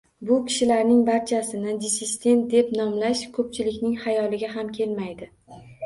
Bu kishilarning barchasini “dissident” deb nomlash ko‘pchilikning xayoliga ham kelmaydi.